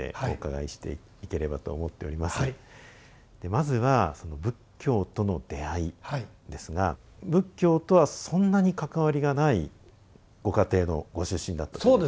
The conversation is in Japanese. まずはその「仏教との出会い」ですが仏教とはそんなに関わりがないご家庭のご出身だったという。